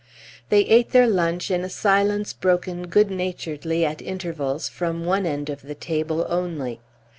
They ate their lunch in a silence broken good naturedly at intervals from one end of the table only.